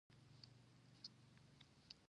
پورته یې ستوري ته وکتل.